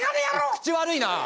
口悪いな！